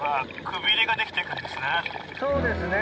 そうですね。